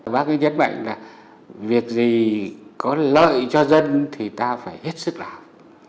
bác ấy nhấn mạnh là việc gì có lợi cho dân thì ta phải hết sức làm